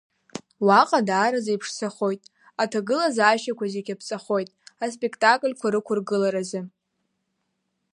Уаҟа даараӡа иԥшӡахоит, аҭагылазаашьақәа зегь аԥҵахоит аспектакльқәа рықәыргыларазы.